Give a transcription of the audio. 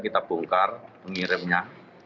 kita bongkar pengirimnya